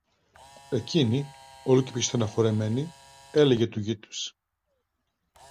Εκείνη, όλο και πιο στενοχωρημένη, έλεγε του γιού της: